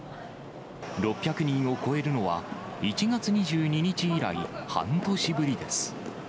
６００人を超えるのは１月２２日以来、半年ぶりです。